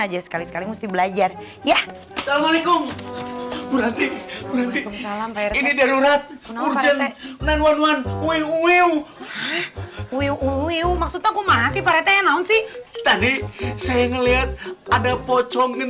aja sekali kali musti belajar ya assalamualaikum berarti salam ini darurat urgent sembilan ratus sebelas wew wew